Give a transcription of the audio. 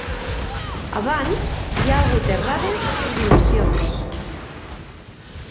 Abans hi ha hagut errades i dilacions.